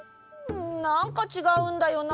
なんかちがうんだよな。